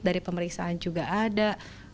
dari pemeriksaan juga ada